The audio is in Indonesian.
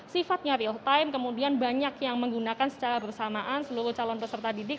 sifatnya real time kemudian banyak yang menggunakan secara bersamaan seluruh calon peserta didik